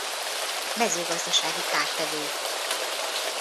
Mezőgazdasági kártevő.